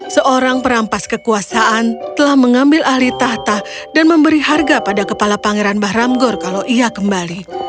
seorang perampas kekuasaan telah mengambil ahli tahta dan memberi harga pada kepala pangeran bahram gor kalau ia kembali